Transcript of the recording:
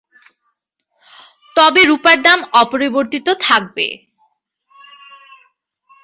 তবে রুপার দাম অপরিবর্তিত থাকবে।